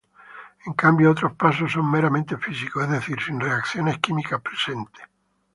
En cambio otros pasos son meramente físicos, es decir, sin reacciones químicas presentes.